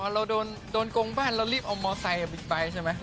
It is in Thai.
เราโดนโกงบ้านเรารีบเอามอไซค์ไปใช่ไหม